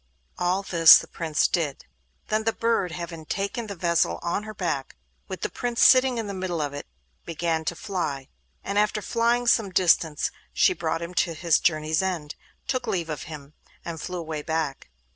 All this the Prince did. Then the bird—having taken the vessel on her back, with the Prince sitting in the middle of it—began to fly. And after flying some distance she brought him to his journey's end, took leave of him, and flew away back.